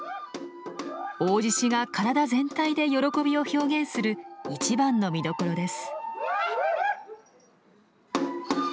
大獅子が体全体で喜びを表現する一番の見どころです。